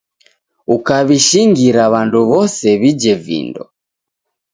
Ukaw'ishingira w'andu wose w'ije vindo